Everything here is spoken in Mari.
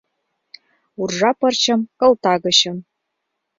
Уржа пырчым кылта гычын